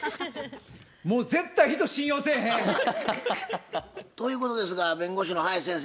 もう絶対人信用せえへん。ということですが弁護士の林先生